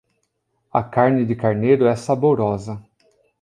A carne de carneiro é saborosa